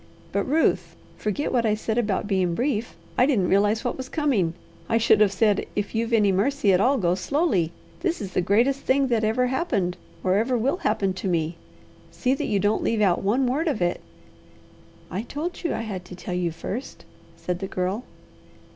"But, Ruth, forget what I said about being brief. I didn't realize what was coming. I should have said, if you've any mercy at all, go slowly! This is the greatest thing that ever happened or ever will happen to me. See that you don't leave out one word of it." "I told you I had to tell you first," said the Girl.